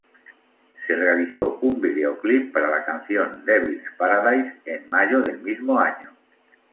Se realizó un vídeoclip para la canción "Devil's Paradise" en mayo del mismo año.